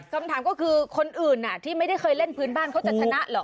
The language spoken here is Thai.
คำถามก็คือคนอื่นที่ไม่ได้เคยเล่นพื้นบ้านเขาจะชนะเหรอ